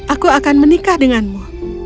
aku akan menikah denganmu